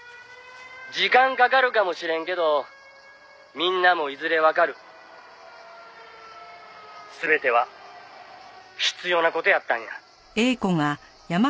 「時間かかるかもしれんけどみんなもいずれわかる」「全ては必要な事やったんや」